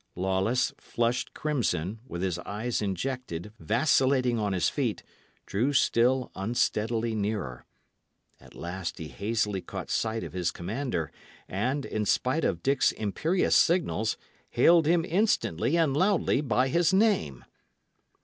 Lawless, flushed crimson, with his eyes injected, vacillating on his feet, drew still unsteadily nearer. At last he hazily caught sight of his commander, and, in despite of Dick's imperious signals, hailed him instantly and loudly by his name.